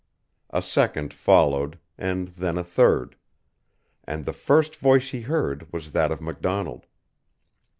A second followed, and then a third; and the first voice he heard was that of MacDonald.